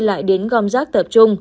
lại đến gom rác tập trung